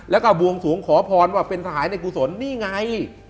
แล้วก็บวงสวงขอพรว่าเป็นทหารในกุศลนี่ไง